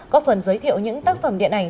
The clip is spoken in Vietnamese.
có phần giới thiệu những tác phẩm điện ảnh